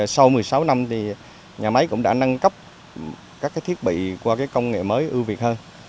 sau một mươi sáu năm nhà máy cũng đã nâng cấp các thiết bị qua công nghệ mới ưu việt hơn